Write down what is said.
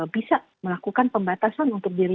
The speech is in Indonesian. bisa melakukan pembatasan untuk diri